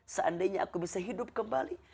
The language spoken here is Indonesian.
seandainya aku bisa hidup kembali